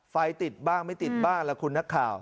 ไฟติดบ้างไม่ติดบ้างล่ะคุณนักข่าว